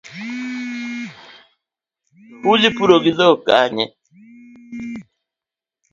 Udhi puro gi dhok kanye?